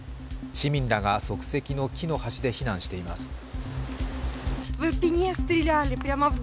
市民らが即席の木の橋で避難しています。